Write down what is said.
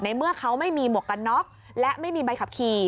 เมื่อเขาไม่มีหมวกกันน็อกและไม่มีใบขับขี่